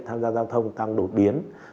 tham gia giao thông tăng đột biến